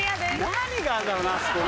何があるんだろうなあそこに。